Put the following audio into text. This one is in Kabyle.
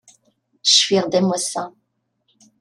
Cfiɣ-d am wass-a.